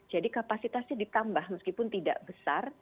jadi kapasitasnya ditambah meskipun tidak besar